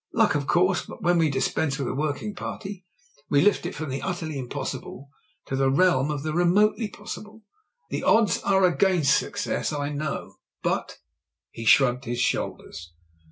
Luck, of course, but when we dispense with the working party we lift it from the utterly impossible into the realm of the re motely possible. The odds are against success, I know ; but " He shrugged his shoulders.